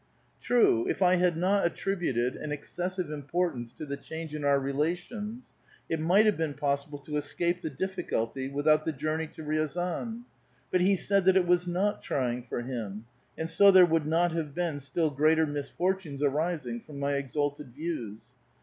True, if I had not attributed an excessive importance to the change in our relations, it might have been possible to escape the difficulty without the journej' to Riazan ; but he said that it was not trying for him, and so there would not have been still greater misfoilunes arising from my exalted views.